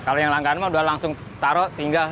kalau yang langganan mah udah langsung taruh tinggal